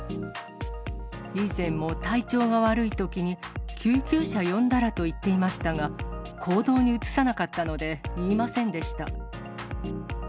以前も体調が悪いときに、救急車呼んだら？と言っていましたが、行動に移さなかったので言いませんでした。